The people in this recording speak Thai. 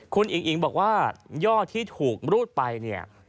คุณอิงบอกว่าย่อที่ถูกรูดไป